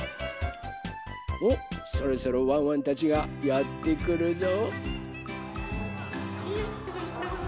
おっそろそろワンワンたちがやってくるぞ。